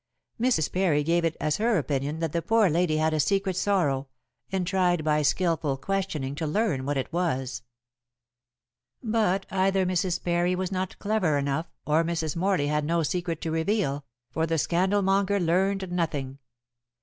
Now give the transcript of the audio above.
Mrs. Parry gave it as her opinion that the poor lady had a secret sorrow, and tried by skilful questioning to learn what it was. But either Mrs. Parry was not clever enough or Mrs. Morley had no secret to reveal, for the scandal monger learned nothing.